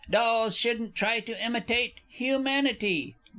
Dolls shouldn't try to imitate humanity!